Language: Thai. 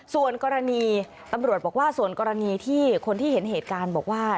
ส่วนกรณีตำรวจบอกว่าส่วนกรณีที่คนที่เห็นเหตุการณ์บอกว่า